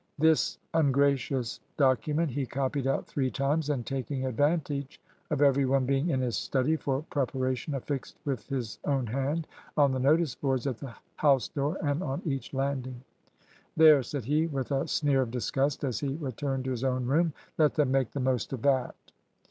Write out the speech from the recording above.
This ungracious document he copied out three times, and taking advantage of every one being in his study for preparation, affixed with his own hand on the notice boards at the house door and on each landing. "There!" said he, with a sneer of disgust, as he returned to his own room, "let them make the most of that."